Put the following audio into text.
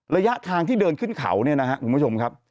ระยะทางที่เดินขึ้นเขาเนี่ยนะครับคุณผู้ชมครับ